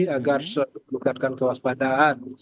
agar selalu meningkatkan kewaspadaan